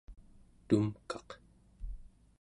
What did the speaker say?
tumkaq